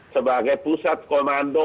sebagai pusat komando